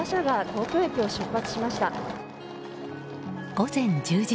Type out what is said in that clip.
午前１０時。